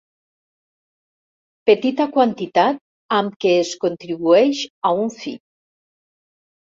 Petita quantitat amb què es contribueix a un fi.